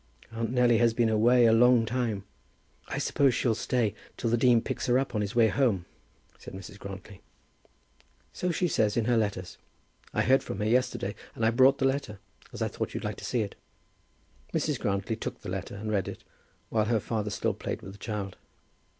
Aunt Nelly has been away a long time." "I suppose she'll stay till the dean picks her up on his way home?" said Mrs. Grantly. "So she says in her letters. I heard from her yesterday, and I brought the letter, as I thought you'd like to see it." Mrs. Grantly took the letter and read it, while her father still played with the child.